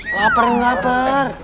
laper nih lapar